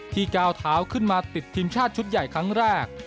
ก้าวเท้าขึ้นมาติดทีมชาติชุดใหญ่ครั้งแรก